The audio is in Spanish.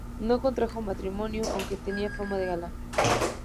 No contrajo matrimonio, aunque tenía fama de galán.